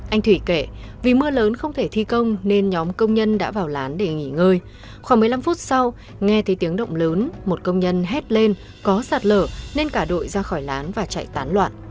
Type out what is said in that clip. anh thủy kể vì mưa lớn không thể thi công nên nhóm công nhân đã vào lán để nghỉ ngơi khoảng một mươi năm phút sau nghe thấy tiếng động lớn một công nhân hét lên có sạt lở nên cả đội ra khỏi lán và chạy tán loạn